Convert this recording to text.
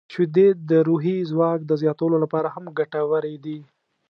• شیدې د روحي ځواک زیاتولو لپاره هم ګټورې دي.